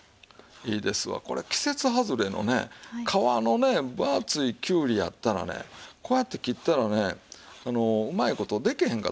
これ季節外れのね皮の分厚いきゅうりやったらねこうやって切ったらねうまい事でけへんかった。